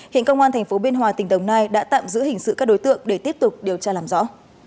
hiện công an tp biên hòa tỉnh đồng nai đã tạm giữ hình sự các đối tượng để tiếp tục điều tra làm rõ